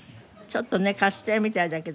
ちょっとねカステラみたいだけど。